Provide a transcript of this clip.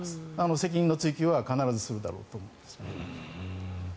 責任の追及は必ずするだろうと思います。